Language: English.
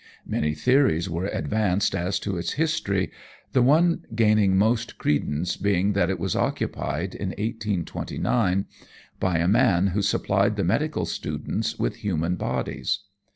Many theories were advanced as to its history, the one gaining most credence being that it was occupied, in 1829, by a man who supplied the medical students with human bodies.